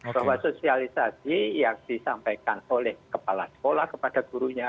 bahwa sosialisasi yang disampaikan oleh kepala sekolah kepada gurunya